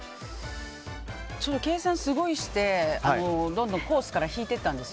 計算すごいしてどんどんコースから引いていったんですよ